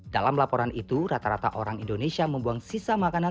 dalam laporan itu rata rata orang indonesia membuang sisa makanan